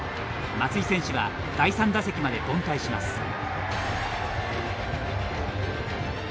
松井選手は第３打席まで凡退します。